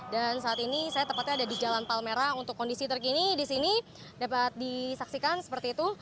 dan saat ini saya tepatnya ada di jalan palmerah untuk kondisi terkini di sini dapat disaksikan seperti itu